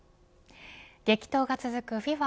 激闘が続くＦＩＦＡ